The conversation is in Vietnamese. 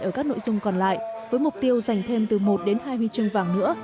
ở các nội dung còn lại với mục tiêu giành thêm từ một đến hai huy chương vàng nữa